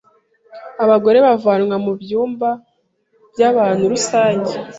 Abagore bavanwa mu byumba by’abantu rusange,